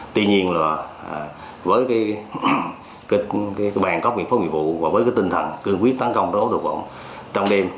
tuy nhiên là với cái bàn cóc miệng phóng vụ và với cái tinh thần cương quyết tăng công đối tượng trong đêm